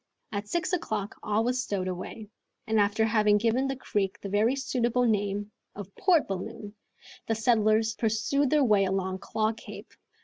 At six o'clock, all was stowed away, and after having given the creek the very suitable name of "Port Balloon," the settlers pursued their way along Claw Cape.